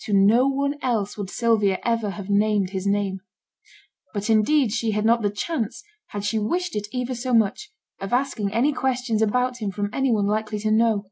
To no one else would Sylvia ever have named his name. But indeed she had not the chance, had she wished it ever so much, of asking any questions about him from any one likely to know.